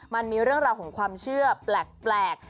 มันมีเรื่องราวของความเชื่อแปลก